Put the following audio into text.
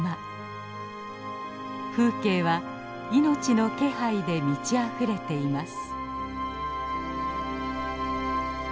風景は命の気配で満ちあふれています。